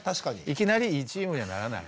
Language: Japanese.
いきなりいいチームにはならない。